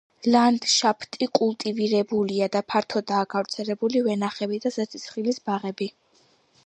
ლანდშაფტი კულტივირებულია და ფართოდაა გავრცელებული ვენახები და ზეთისხილის ბაღები.